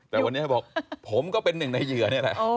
แต่วันนี้บอกผมก็เป็นหนึ่งในเหยื่อนี่แหละ